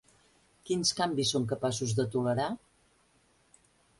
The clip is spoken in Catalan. Quins canvis són capaços de tolerar?